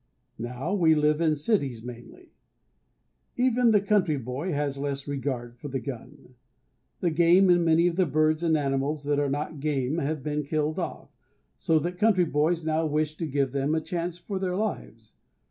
Now we live in cities mainly. Even the country boy has less regard for the gun. The game and many of the birds and animals that are not game have been killed off, so that country boys now wish to give them a chance for their lives.